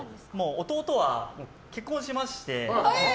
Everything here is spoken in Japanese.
弟は結婚しまして。